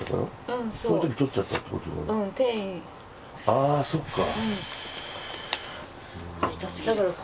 ああそっか。